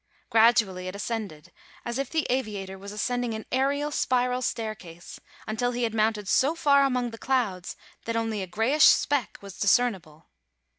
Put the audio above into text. Gradually it ascended, as if the aviator was ascending an aërial spiral staircase, until he had mounted so far among the clouds that only a grayish speck was discernible.